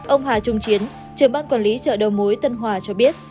ông hà trung chiến trưởng ban quản lý chợ đầu mối tân hòa cho biết